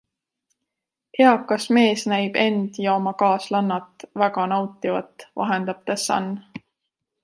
Eakas mees näib end ja oma kaaslannat väga nautivat, vahendab The Sun.